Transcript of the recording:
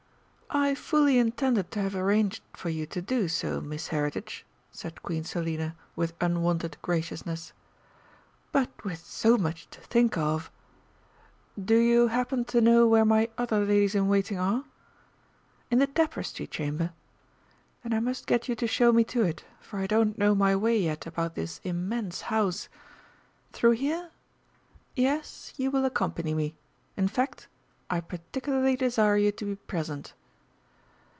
"I fully intended to have arranged for you to do so, Miss Heritage," said Queen Selina, with unwonted graciousness. "But with so much to think of ! Do you happen to know where my other ladies in waiting are?... In the Tapestry Chamber? Then I must get you to show me to it, for I don't know my way yet about this immense house.... Through here? Yes, you will accompany me in fact, I particularly desire you to be present."